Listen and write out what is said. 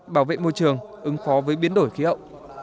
bảo vệ môi trường ứng phó với biến đổi khí hậu